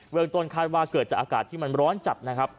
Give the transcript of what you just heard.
เมืองต้นคาดว่าเกิดจากอากาศที่มันร้อนจัดนะครับ